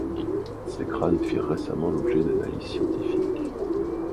Ces crânes firent récemment l'objet d'analyses scientifiques.